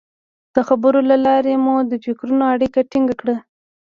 د خبرو له لارې مو د فکرونو اړیکه ټینګه کړه.